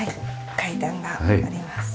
階段があります。